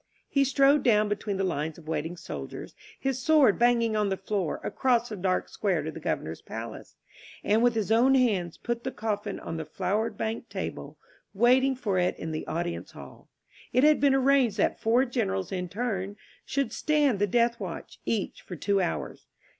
He strode down between the lines of waiting soldiers, his sword banging on the floor, across the dark square to the Governor's palace; and, with his own hands, put the coffin on the flower banked table waiting for it in the audience hall. It had been arranged that four generals in turn should stand the death watch, each for two hours.